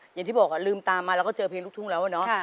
อย่างที่บอกลืมตามมาแล้วก็เจอเพลงลูกทุ่งแล้วเนาะ